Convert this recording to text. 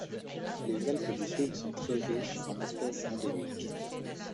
Les Alpes du Sud sont très riches en espèces endémiques.